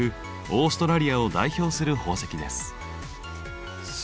オーストラリアを代表する宝石です。